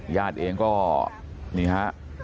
ญาติเองก็นี่ฮะ